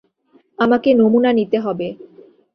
আমাকে নমুনা নিতে হবে।